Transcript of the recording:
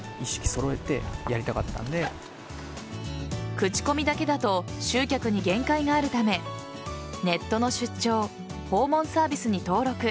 口コミだけだと集客に限界があるためネットの出張、訪問サービスに登録。